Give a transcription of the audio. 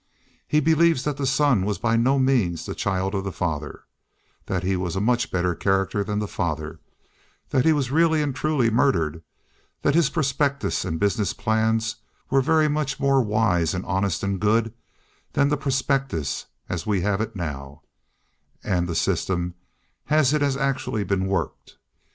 He believes that the Son was by no means the child of the Father, that he was a much better character than the Father, that he was really and truly murdered, that his prospectus and business plans were very much more wise and honest and good than the prospectus as we have it now, and the system as it has actually been worked.